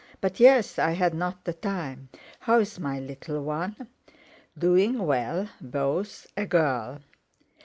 "But yes; I had not the time. How is my little one?" "Doing well—both. A girl!"